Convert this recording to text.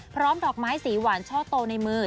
ดอกไม้สีหวานช่อโตในมือ